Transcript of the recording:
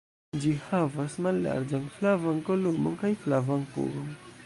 Ĝi havas mallarĝan flavan kolumon kaj flavan pugon.